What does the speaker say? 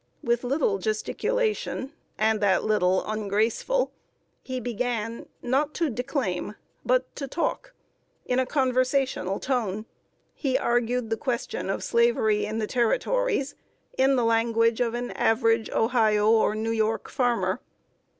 With little gesticulation, and that little ungraceful, he began, not to declaim, but to talk. In a conversational tone, he argued the question of Slavery in the Territories, in the language of an average Ohio or New York farmer.